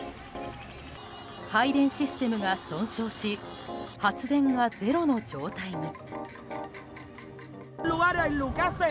配電システムが損傷し発電がゼロの状態に。